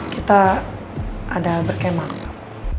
kita ada berkemah pak